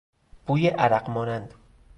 بوی عرق مانند